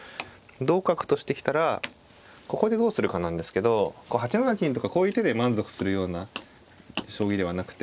同角としてきたらここでどうするかなんですけど８七金とかこういう手で満足するような将棋ではなくて。